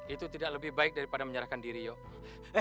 itu tidak lebih baik daripada menyerahkan diri yuk